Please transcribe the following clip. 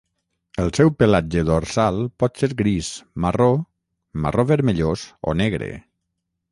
El seu pelatge dorsal pot ser gris, marró, marró vermellós o negre.